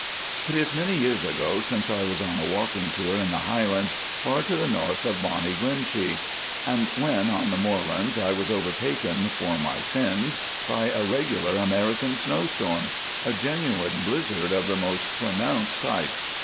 It is many years ago since I was on a walking tour in the Highlands, far to the north of Bonnie Glenshee; and when on the moorlands I was overtaken, for my sins, by a regular American snowstorm—a genuine blissard of the most pronounced type.